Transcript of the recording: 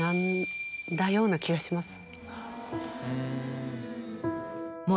ような気がします。